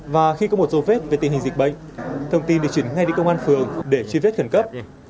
và khi có một dấu vết về tình hình dịch bệnh thông tin được chuyển ngay đến công an phường để truy vết khẩn cấp